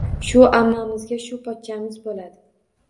Shu ammamizga shu pochchamiz boʻladi.